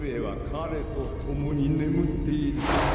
彼と共に眠っている